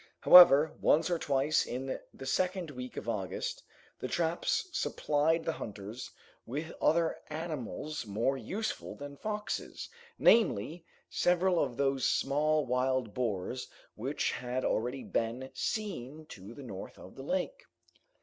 However, once or twice in the second week of August, the traps supplied the hunters with other animals more useful than foxes, namely, several of those small wild boars which had already been seen to the north of the lake.